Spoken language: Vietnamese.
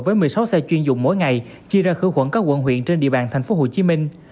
với một mươi sáu xe chuyên dụng mỗi ngày chia ra khử khuẩn các quận huyện trên địa bàn thành phố hồ chí minh